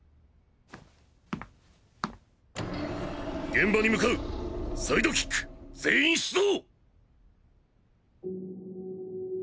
現場に向かうサイドキック全員出動！